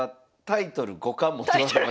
タイトル五冠！